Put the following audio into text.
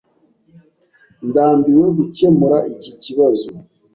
Ndambiwe gukemura iki kibazo.